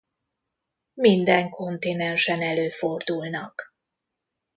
Minden kontinensen előfordulnak.